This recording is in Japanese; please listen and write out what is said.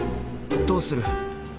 どうする？